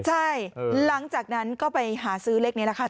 ใช่หลังจากนั้นก็ไปหาซื้อเลขนี้แหละค่ะ